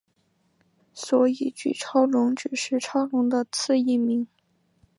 所以巨超龙只是超龙的次异名。